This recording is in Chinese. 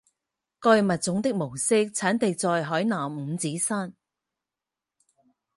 该物种的模式产地在海南五指山。